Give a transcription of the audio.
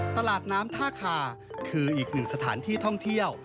ตลาดน้ำท่าคาคืออีกหนึ่งสถานที่ท่องเที่ยว